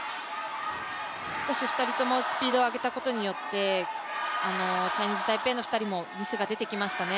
少し、２人ともスピードを上げたことによってチャイニーズ・タイペイの２人もミスが出てきましたね。